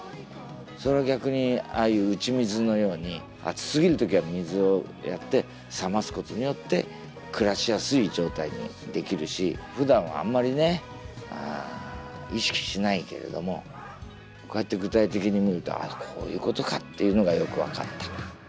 それを逆にああいう打ち水のように暑すぎる時は水をやって冷ますことによって暮らしやすい状態にできるしふだんあんまりね意識しないけれどもこうやって具体的に見るとああこういうことかっていうのがよく分かった。